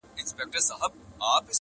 چي په هرځای کي مي وغواړی او سېږم-